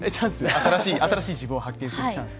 新しい自分を発見するチャンス。